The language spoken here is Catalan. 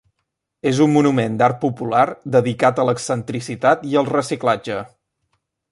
És un monument d'art popular dedicat a l'excentricitat i el reciclatge.